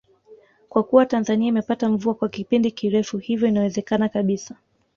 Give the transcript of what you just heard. Kwa kuwa Tanzania imepata mvua kwa kipindi kirefu hivyo inawezekana kabisa